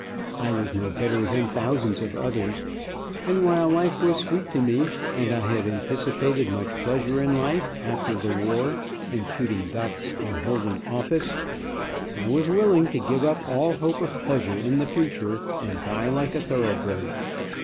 I was no better than thousands of others, and while life was sweet to me, and I had anticipated much pleasure in life, after the war, in shooting ducks and holding office, I was willing to give up all hope of pleasure in the future, and die like a thoroughbred.